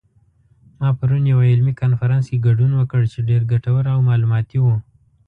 ما پرون یوه علمي کنفرانس کې ګډون وکړ چې ډېر ګټور او معلوماتي و